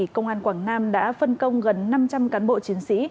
công an quảng nam đã phân công gần năm trăm linh cán bộ chiến sĩ